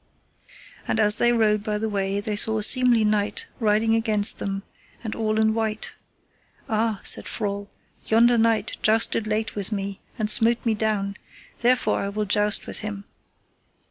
And as they rode by the way they saw a seemly knight riding against them, and all in white. Ah, said Frol, yonder knight jousted late with me and smote me down, therefore I will joust with him.